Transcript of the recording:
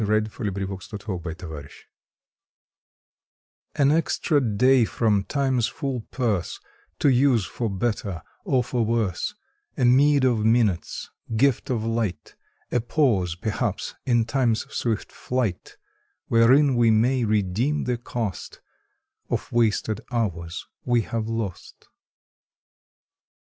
February Twenty eighth THE DAY A N extra day from Time s full purse, To use for better or for worse A meed of minutes, gift of light, A pause, perhaps, in Time s swift flight Wherein we may redeem the cost Of wasted hours we have lost.